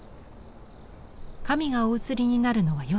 神がお移りになるのは夜。